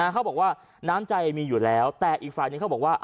เขาบอกว่าน้ำใจมีอยู่แล้วแต่อีกฝ่ายหนึ่งเขาบอกว่า